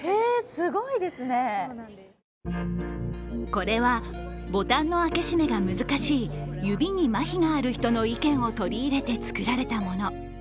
これはボタンの開け閉めが難しい指にまひがある人の意見を取り入れて作られたもの。